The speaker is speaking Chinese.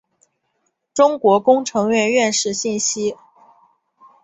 中国工程院院士信息